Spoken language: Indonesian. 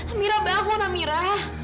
amira bangun amira